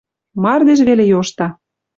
Мардеж веле йожта